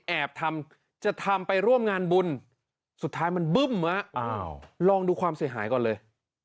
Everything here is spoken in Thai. ทำจะทำไปร่วมงานบุญสุดท้ายมันบึ้มลองดูความเสียหายก่อนเลย